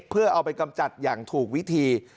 เพื่อเอาไปกำจัดอย่างถูกวิธี